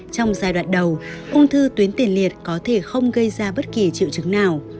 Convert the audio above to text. trong giai đoạn đầu ung thư tuyến tiền liệt có thể không gây ra bất kỳ triệu chứng nào